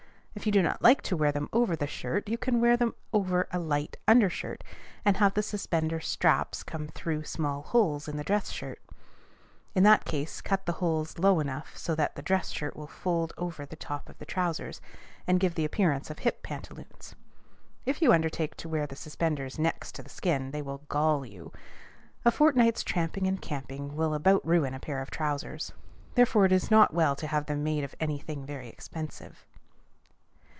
If you do not like to wear them over the shirt, you can wear them over a light under shirt, and have the suspender straps come through small holes in the dress shirt. In that case cut the holes low enough so that the dress shirt will fold over the top of the trousers, and give the appearance of hip pantaloons. If you undertake to wear the suspenders next to the skin, they will gall you. A fortnight's tramping and camping will about ruin a pair of trousers: therefore it is not well to have them made of any thing very expensive.